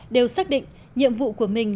đều xác định nhiệm vụ của mình